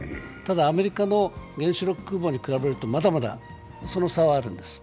アメリカの原子力空母に比べるとまだまだその差はあるんです。